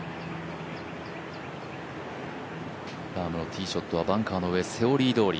ラームのティーショットはバンカーの上、セオリーどおり。